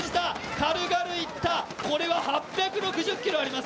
軽々いった、これは８６０ｋｇあります。